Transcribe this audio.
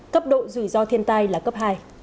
cấp độ rủi ro thiên tai là cấp hai